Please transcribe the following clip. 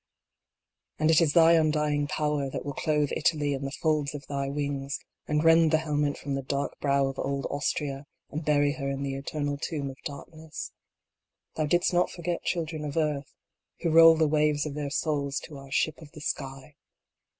And it is thy undying power that will clothe Italy in the folds of thy wings, and rend the helmet from the dark brow of old Austria, and bury her in the eternal tomb of darkness. Thou didst not forget children of earth, who roll the waves of their souls to our ship of the sky.